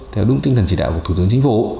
theo đúng tinh thần chỉ đạo của thủ tướng chính phủ